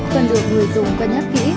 cần được người dùng cân nhắc kỹ